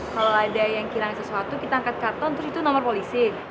kalau ada yang kehilangan sesuatu kita angkat karton terus itu nomor polisi